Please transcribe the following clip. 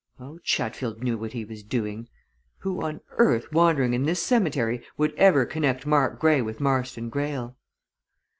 Oh, Chatfield knew what he was doing! Who on earth, wandering in this cemetery, would ever connect Mark Grey with Marston Greyle?"